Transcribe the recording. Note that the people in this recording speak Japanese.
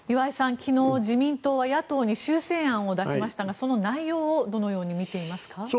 昨日、自民党は野党に修正案を出しましたがその内容をどのように見ていますか。